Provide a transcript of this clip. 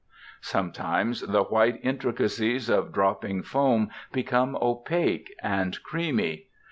Sometimes the white intricacies of dropping foam become opaque and creamy.